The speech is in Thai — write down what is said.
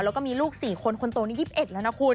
แล้วก็มีลูก๔คนคนโตนี้๒๑แล้วนะคุณ